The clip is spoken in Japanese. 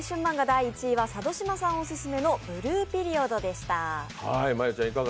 第１位は佐渡島さんオススメの「ブルーピリオド」でした。